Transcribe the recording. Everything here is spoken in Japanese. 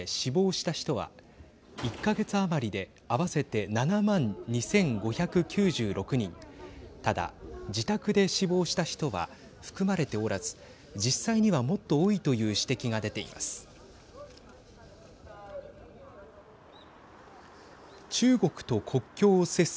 ただ、自宅で死亡した人は含まれておらず実際には、もっと多いという指摘が出ています。